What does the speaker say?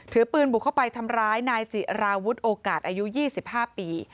ถือปืนบุกเข้าไปทำร้ายนายจิราวุฒิโอกาสอายุ๒๕ปี